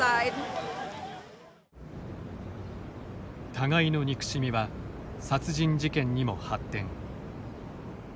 互いの憎しみは殺人事件にも発展。